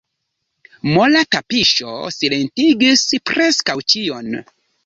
Mola tapiŝo silentigis preskaŭ ĉion.